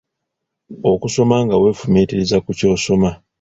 Okusoma nga weefumiitiriza ku ky'osoma.